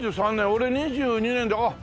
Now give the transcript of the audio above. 俺２２年であっ！